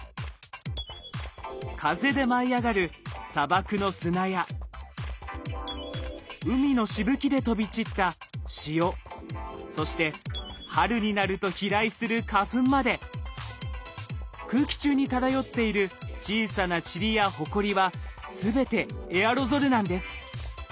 風で舞い上がる砂漠の砂や海のしぶきで飛び散った塩そして春になると飛来する花粉まで空気中に漂っている小さなチリやほこりは全てエアロゾルなんです。